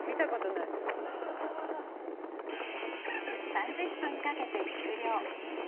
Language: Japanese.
［３０分かけて終了］